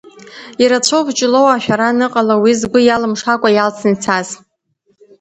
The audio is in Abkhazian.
Ирацәаҩуп Ҷлоу ашәара аныҟала, уи згәы, иалымшакәа иалҵны ицаз.